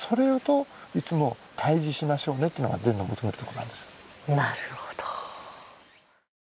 なるほど。